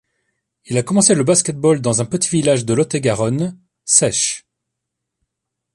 Il a commencé le basket-ball dans un petit village de Lot-et-Garonne, Seyches.